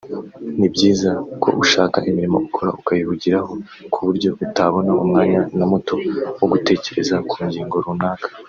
ni byiza ko ushaka imirimo ukora ukayihugiraho ku buryo utabona umwanya na muto wo gutekereza ku ngingo runaka